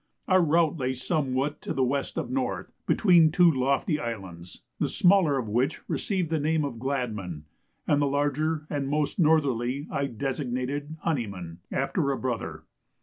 Our route lay somewhat to the west of north, between two lofty islands, the smaller of which received the name of Gladman, and the larger and most northerly I designated Honeyman, after a brother.